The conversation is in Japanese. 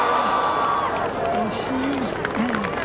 惜しい。